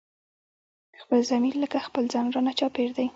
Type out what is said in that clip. خپل ضمير لکه خپل ځان رانه چاپېر دی